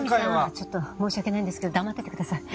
ちょっと申し訳ないんですけど黙っててください。